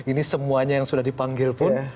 ini semuanya yang sudah dipanggil pun